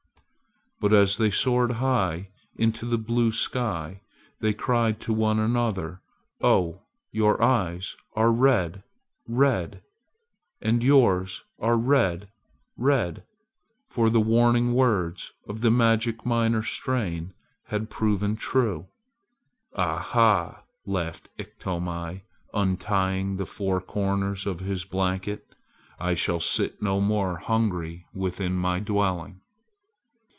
But as they soared high into the blue sky they cried to one another: "Oh! your eyes are red red!" "And yours are red red!" For the warning words of the magic minor strain had proven true. "Ah ha!" laughed Iktomi, untying the four corners of his blanket, "I shall sit no more hungry within my dwelling."